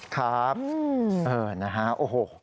ครับนะฮะโอ้โห